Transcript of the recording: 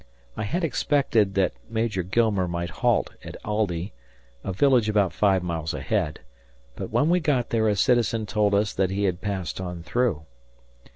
I had expected that Major Gilmer might halt at Aldie, a village about five miles ahead, but when we got there a citizen told us that he passed on through.